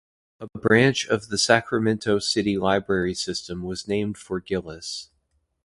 A branch of the Sacramento City Library system was named for Gillis.